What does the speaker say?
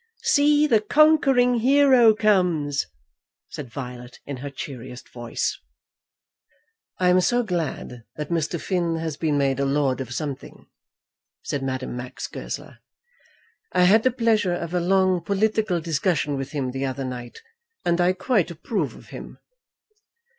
"'See the conquering hero comes,' said Violet in her cheeriest voice. "I am so glad that Mr. Finn has been made a lord of something," said Madame Max Goesler. "I had the pleasure of a long political discussion with him the other night, and I quite approve of him."